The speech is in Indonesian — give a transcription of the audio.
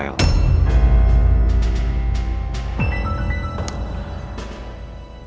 yang masuk rafael